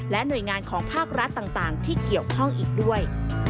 หน่วยงานของภาครัฐต่างที่เกี่ยวข้องอีกด้วย